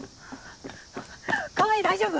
川合大丈夫？